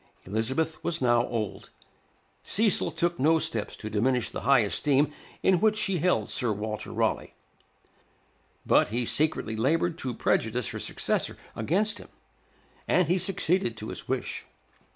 Elizabeth was now old; Cecil took no steps to diminish the high esteem in which she held Sir Walter Raleigh, but he secretly labored to prejudice her successor against him, and he succeeded to his wish.